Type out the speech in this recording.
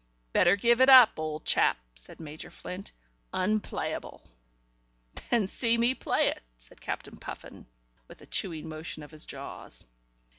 "Better give it up, old chap," said Major Flint. "Unplayable." "Then see me play it," said Captain Puffin, with a chewing motion of his jaws.